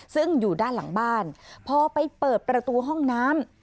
ซึ่งอยู่ด้านหลังบ้านพอไปเปิดประตูห้องน้ำ